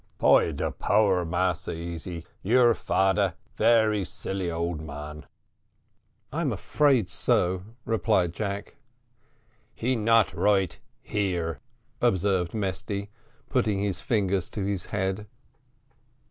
"By de power, Massa Easy, your fader very silly old man." "I'm afraid so," replied Jack. "He not right here," observed Mesty, putting his fingers to his head.